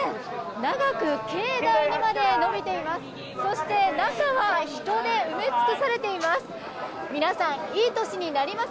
長く境内にまで延びています。